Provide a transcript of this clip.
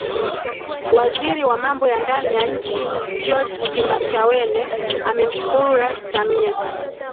Waziri wa Mambo ya Ndani ya Nchi George Simbachawene amemshukuru Rais Samia